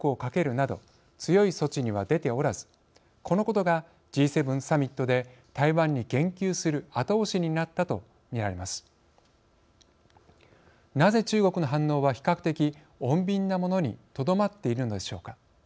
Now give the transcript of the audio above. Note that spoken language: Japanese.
なぜ中国の反応は比較的穏便なものにとどまっているのでしょうか。